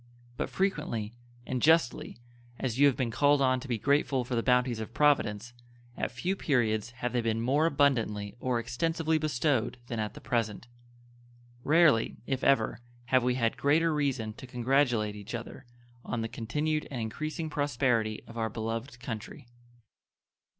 But frequently and justly as you have been called on to be grateful for the bounties of Providence, at few periods have they been more abundantly or extensively bestowed than at the present; rarely, if ever, have we had greater reason to congratulate each other on the continued and increasing prosperity of our beloved country.